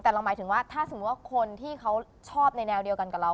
แต่เราหมายถึงว่าถ้าสมมุติว่าคนที่เขาชอบในแนวเดียวกันกับเรา